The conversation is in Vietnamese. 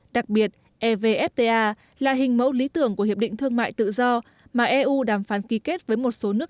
đặc biệt evfta là hình mẫu lý tưởng của hiệp định thương mại tự do mà eu đàm phán ký kết với một số nước